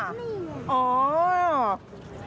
นี่